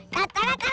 satu belas eh